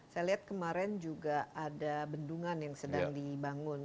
saya lihat kemarin juga ada bendungan yang sedang dibangun